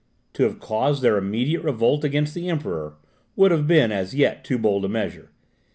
To have caused their immediate revolt against the Emperor, would have been, as yet, too bold a measure.